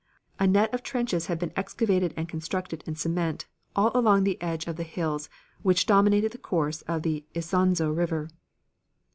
A net of trenches had been excavated and constructed in cement all along the edge of the hills which dominated the course of the Isonzo River.